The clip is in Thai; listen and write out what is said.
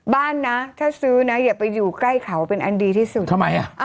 บ้านนะถ้าซื้อนะอย่าไปอยู่ใกล้เขาเป็นอันดีที่สุดทำไมอ่ะ